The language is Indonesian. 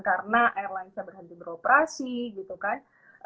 karena airlinesnya berhenti beroperasi gitu kan